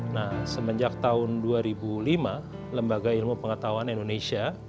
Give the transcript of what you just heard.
nah semenjak tahun dua ribu lima lembaga ilmu pengetahuan indonesia